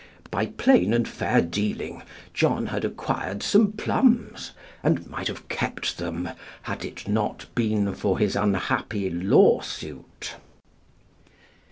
By plain and fair dealing John had acquired some plums, and might have kept them, had it not been for his unhappy lawsuit.